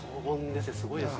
すごいですね。